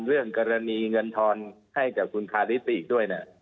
เรื่องกรณีเงินทอนให้กับคุณคาริสไปอีกด้วยนะ